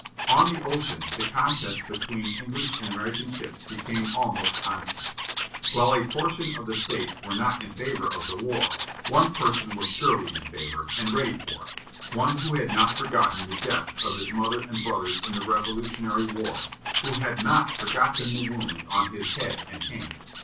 On the ocean, the contest between English and American ships became almost constant. While a portion of the States were not in favor of the war, one person was surely in favor, and ready for it; one who had not forgotten the deaths of his mother and brothers in the Revolutionary War; who had not forgotten the wounds on his head and hand.